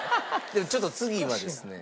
でもちょっと次はですね。